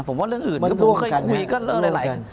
ผมว่าเรื่องอื่นผมเคยคุยกับหลาย